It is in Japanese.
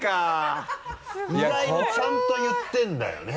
意外にちゃんと言ってるんだよね